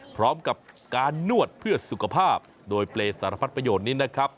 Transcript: พร้อมกับการนวดเพื่อสุขภาพโดยเปรย์สารพัดประโยชน์นี้นะครับ